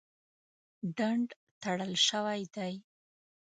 ډنډ تړل شوی دی.